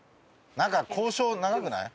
なんか交渉長くない？